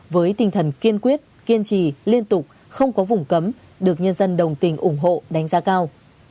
với tinh thần kiên quyết kiên trì liên tục không có vùng cấm được nhân dân đồng tình ủng hộ đánh giá cao